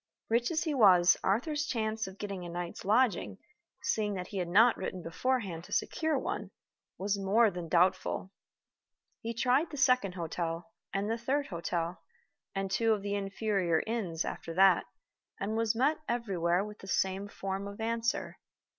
Rich as he was, Arthur's chance of getting a night's lodging (seeing that he had not written beforehand to secure one) was more than doubtful. He tried the second hotel, and the third hotel, and two of the inferior inns after that, and was met everywhere with the same form of answer.